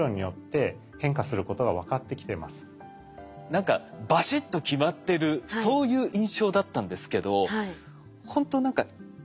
何かバシッと決まってるそういう印象だったんですけどほんと何かグラデーション。